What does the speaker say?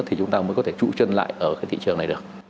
thì chúng ta mới có thể trụ chân lại ở cái thị trường này được